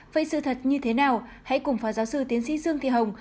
vậy sự thật như thế nào hãy cùng phó giáo sư tiến sĩ dương thị hồng